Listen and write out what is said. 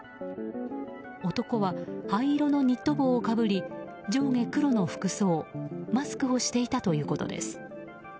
男は、灰色のニット帽をかぶり上下黒の服装マスクをしていたということです。